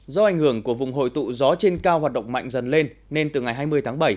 do ảnh hưởng của vùng hội tụ gió trên cao hoạt động mạnh dần lên nên từ ngày hai mươi tháng bảy